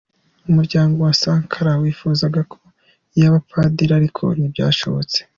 Umuryango wa Sankara wifuzaga ko yaba Padiri ariko ntibyashobotse.